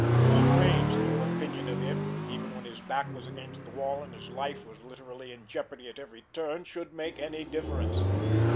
Strange that her opinion of him, even when his back was against the wall and his life was literally in jeopardy at every turn, should make any difference!